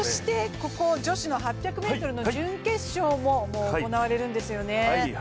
女子８００ｍの準決勝も行われるんですよね。